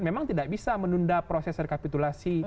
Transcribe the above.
memang tidak bisa menunda proses rekapitulasi